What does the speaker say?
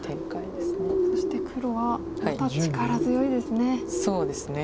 そして黒はまた力強いですね。